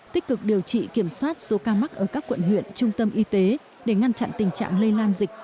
tích cực điều trị kiểm soát số ca mắc ở các quận huyện trung tâm y tế để ngăn chặn tình trạng lây lan dịch